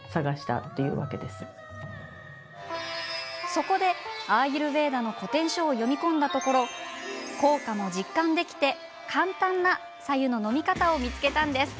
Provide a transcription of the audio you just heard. そこで、アーユルヴェーダの古典書を読み込んだところ効果も実感できて簡単な白湯の飲み方を見つけました。